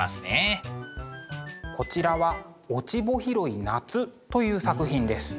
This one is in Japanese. こちらは「落ち穂拾い、夏」という作品です。